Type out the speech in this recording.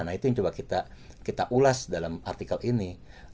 nah itu yang coba kita ulas dalam artikel ini